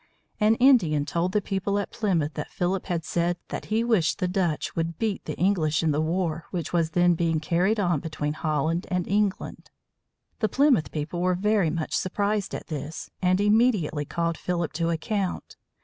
An Indian told the people at Plymouth that Philip had said that he wished the Dutch would beat the English in the war which was then being carried on between Holland and England. The Plymouth people were very much surprised at this, and immediately called Philip to account.